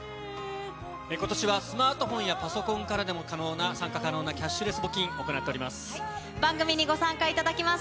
ことしはスマートフォンやパソコンからでも参加可能なキャッシュレス募金行っております。